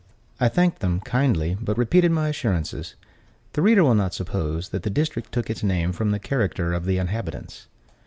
I thanked them, kindly, but repeated my assurances. The reader will not suppose that the district took its name from the character of the inhabitants.